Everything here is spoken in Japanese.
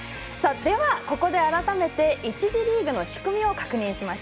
ではここで改めて１次リーグの仕組みを確認しましょう。